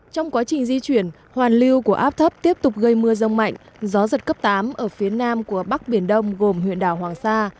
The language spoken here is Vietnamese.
trong quá trình di chuyển hoàn lưu của áp thấp tiếp tục gây mưa rông mạnh gió giật cấp tám ở phía nam của bắc biển đông gồm huyện đảo hoàng sa